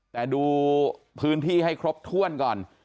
แต่ดูพื้นที่ให้ครบถ้วนก่อน